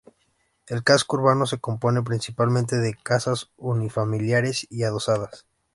El casco urbano se compone principalmente de casas unifamiliares y adosadas.